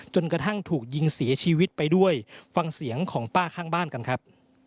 จนกระทั่งถูกยิงเสียชีวิตไปด้วยฟังเสียงของป้าข้างบ้านกันครับ